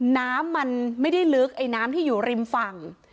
น้ำมันไม่ได้ลึกไอ้น้ำที่อยู่ริมฝั่ง